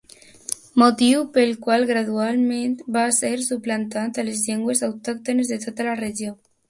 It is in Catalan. Motiu pel qual gradualment va ser suplantant a les llengües autòctones de tota la regió.